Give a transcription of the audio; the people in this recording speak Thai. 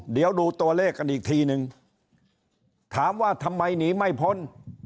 เดี๋ยวดูตัวเลขกันอีกทีนึงถามว่าทำไมหนีไม่พ้น